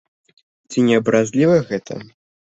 Ці не абразліва гэта?